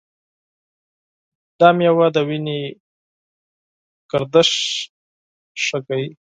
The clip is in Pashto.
دا میوه د وینې گردش ښه کوي.